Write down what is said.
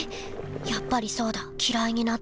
やっぱりそうだきらいになったんだ。